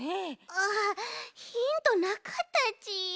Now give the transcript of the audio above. ああヒントなかったち。